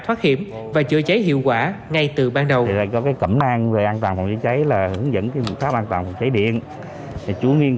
thoát hiểm và chữa cháy hiệu quả ngay từ ban đầu